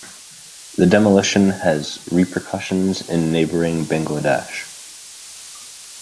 The demolition has repercussions in neighboring Bangladesh.